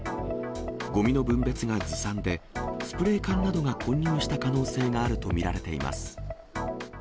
ごみの分別がずさんで、スプレー缶などが混入した可能性があると見られています。